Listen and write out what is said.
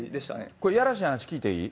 これやらしい話聞いていい？